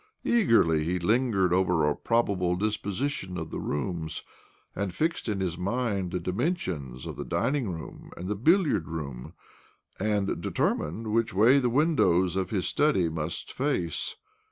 Eagerly he lingered over a probable disposition of the rooms, and fixed in his mind the dimensions of the dining room and the billiard room, and determined which way the windows of his study must face.